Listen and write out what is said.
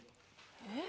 えっ？